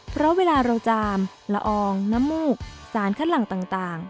เพราะเวลาเราจามละอองน้ำมูกสารคัดหลังต่าง